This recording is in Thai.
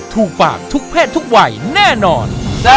ถูกปากทุกเพศทุกวัยแน่นอน